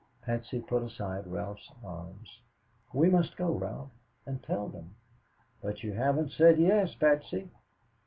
Patsy put aside Ralph's arms. "We must go, Ralph, and tell them." "But you haven't said yes, Patsy."